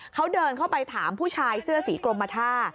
เขาเดินเข้าไปถามผู้ชายเสื้อสีกรมท่า